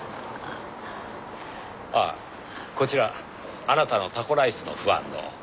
ああこちらあなたのタコライスのファンの。